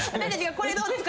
これどうですか？